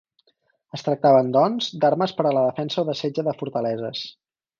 Es tractaven doncs d'armes per a la defensa o de setge de fortaleses.